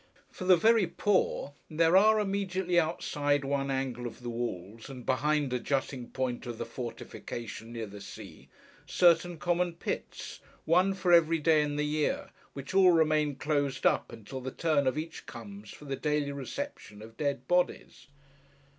For the very poor, there are, immediately outside one angle of the walls, and behind a jutting point of the fortification, near the sea, certain common pits—one for every day in the year—which all remain closed up, until the turn of each comes for its daily reception of dead bodies.